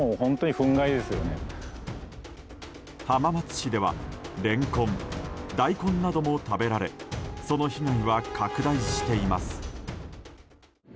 浜松市ではレンコン大根なども食べられその被害は拡大しています。